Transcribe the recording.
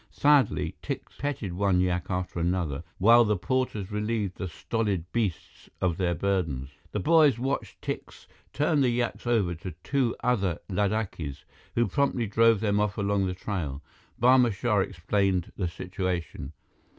Sadly, Tikse petted one yak after another, while the porters relieved the stolid beasts of their burdens. The boys watched Tikse turn the yaks over to two other Ladakhis, who promptly drove them off along the trail. Barma Shah explained the situation.